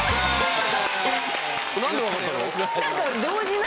何で分かったの？